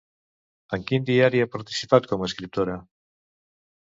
En quin diari ha participat com a escriptora?